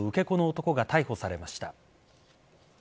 子の男が逮捕されました。